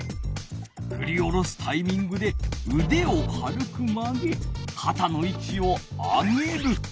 ふり下ろすタイミングでうでを軽く曲げかたのいちを上げる。